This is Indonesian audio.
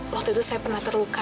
lalu saya pernah terluka